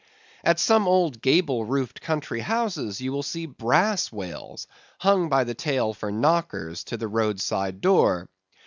At some old gable roofed country houses you will see brass whales hung by the tail for knockers to the road side door.